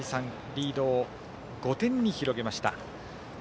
リードを５点に広げました。